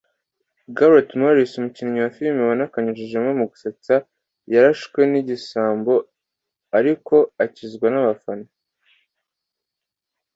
Garret Morris umukinnyi wa filime wanakanyujijeho mu gusetsa yarashwe n’igisambo ariko akizwa n’abafana